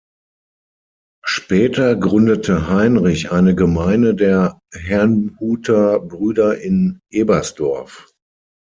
Später gründete Heinrich eine Gemeine der Herrnhuter Brüder in Ebersdorf.